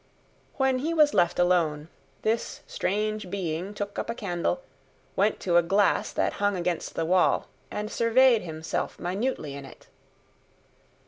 When he was left alone, this strange being took up a candle, went to a glass that hung against the wall, and surveyed himself minutely in it.